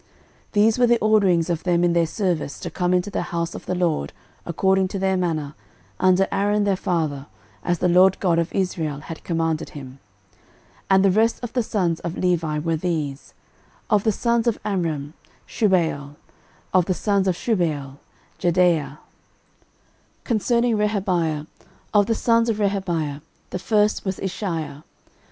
13:024:019 These were the orderings of them in their service to come into the house of the LORD, according to their manner, under Aaron their father, as the LORD God of Israel had commanded him. 13:024:020 And the rest of the sons of Levi were these: Of the sons of Amram; Shubael: of the sons of Shubael; Jehdeiah. 13:024:021 Concerning Rehabiah: of the sons of Rehabiah, the first was Isshiah.